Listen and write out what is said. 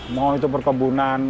mau itu perkebunan